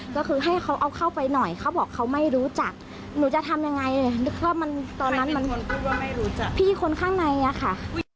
ก็คือให้เขาเอาเข้าไปหน่อยเขาบอกเขาไม่รู้จักหนูจะทำยังไงนึกว่ามันตอนนั้นมันพี่คนข้างในอะค่ะ